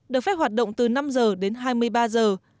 được phép hoạt động từ năm giờ đến hai mươi ba giờ